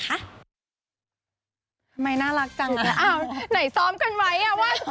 ทำไมน่ารักจังอ้าวไหนซ้อมกันไว้อ่ะว่ะ